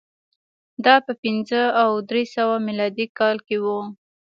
دا په پنځه او درې سوه میلادي کال کې و